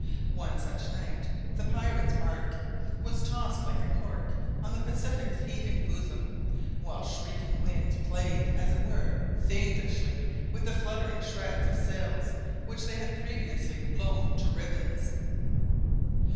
On one such night, the pirate's barque was tossed like a cork on the Pacific's heaving bosom, while the shrieking winds played, as it were, fiendishly with the fluttering shreds of sails which they had previously blown to ribbons.